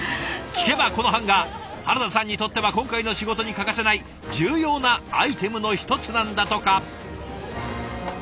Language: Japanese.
聞けばこのハンガー原田さんにとっては今回の仕事に欠かせない重要なアイテムの一つなんだとか。